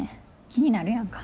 気になるやんか。